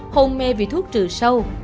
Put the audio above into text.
hôn mê vì thuốc trừ sâu